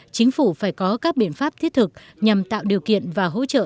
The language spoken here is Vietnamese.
chính phủ phải có các biện pháp thiết thực nhằm tạo điều kiện và hỗ trợ